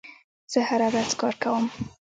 زه هره ورځ کار کوم.